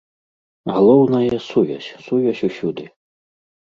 Галоўнае, сувязь, сувязь усюды.